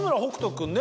君ね